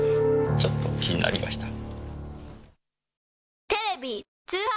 ちょっと気になりました。